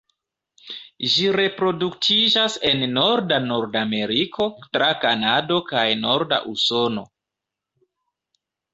Ĝi reproduktiĝas en norda Nordameriko tra Kanado kaj norda Usono.